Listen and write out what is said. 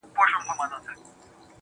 o مخ به در واړوم خو نه پوهېږم.